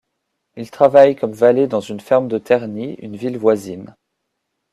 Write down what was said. Il travaille comme valet dans une ferme de Terni, une ville voisine.